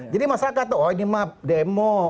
jadi masyarakat tuh oh ini mah demo